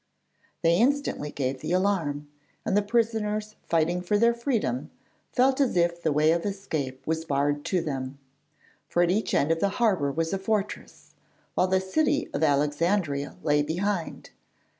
They instantly gave the alarm, and the prisoners fighting for their freedom felt as if the way of escape was barred to them. For at each end of the harbour was a fortress, while the city of Alexandria lay behind.